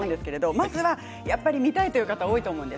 まずは見たいという方多いと思います。